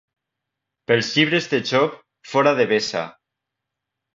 Pels llibres de Job, fora Devesa.